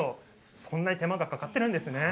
そんなに手間がかかっているんですね。